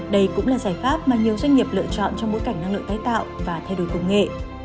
đây cũng là giải pháp mà nhiều doanh nghiệp lựa chọn trong bối cảnh năng lượng tái tạo và thay đổi công nghệ